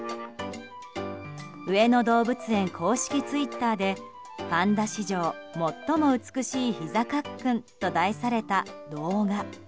上野動物園公式ツイッターで「パンダ史上最も美しいひざカックン」と題された動画。